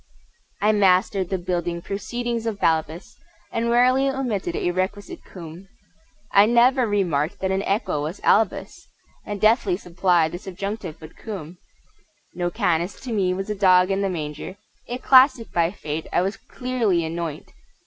I mastered the building proceedings of Balbus, And rarely omitted a requisite cum; I never remarked that an equa was albus, And deftly supplied the subjunctive with quum! No canis to me was a dog in the manger A classic by Fate I was clearly anoint!